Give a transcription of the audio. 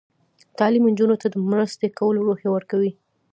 تعلیم نجونو ته د مرستې کولو روحیه ورکوي.